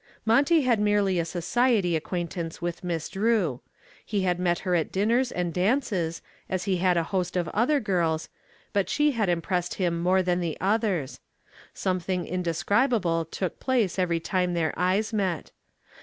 Monty had merely a society acquaintance with Miss Drew. He had met her at dinners and dances as he had a host of other girls, but she had impressed him more than the others. Something indescribable took place every time their eyes met.